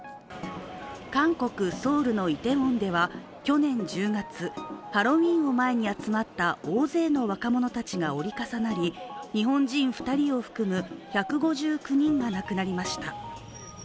韓国ソウルのイテウォンでは去年１０月、ハロウィーンを前に集まった大勢の若者たちが折り重なり日本人２人を含む１５９人が亡くなりました。